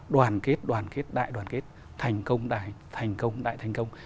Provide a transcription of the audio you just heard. đoàn kết đoàn kết đại đoàn kết thành công đại thành công đại thành công